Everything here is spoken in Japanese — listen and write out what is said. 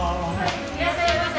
いらっしゃいませ。